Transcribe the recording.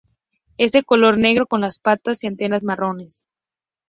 Es de color negro con las patas y antenas marrones.